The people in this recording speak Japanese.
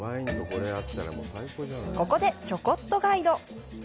ここで、ちょこっとガイド。